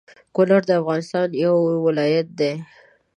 کونړ د افغانستان يو ولايت دى